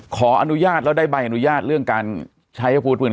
ขออนุญาตแล้วได้ใบอนุญาตเรื่องการใช้อาวุธปืน